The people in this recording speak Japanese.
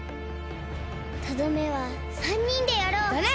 とどめは３にんでやろう！だね！